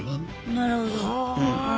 なるほど。